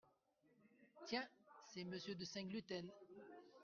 Tiens ! c’est Monsieur de Saint-Gluten !…